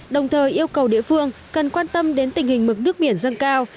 đồng thời yêu cầu địa phương cần quan tâm đến tình hình mực nước biển dâng cao